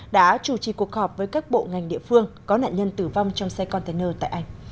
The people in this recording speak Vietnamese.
đã chủ trì cuộc họp với các bộ ngành địa phương có nạn nhân tử vong trong xe container tại anh